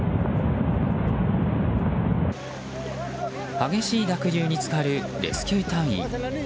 激しい濁流に浸かるレスキュー隊員。